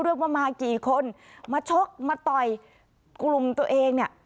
เลือกว่ามากี่คนมาชกมาต่อยกลุ่มตัวเอง